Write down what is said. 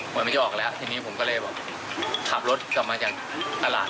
มันจะออกแล้วทีนี้ผมก็เลยแบบขับรถกลับมาจากตลาด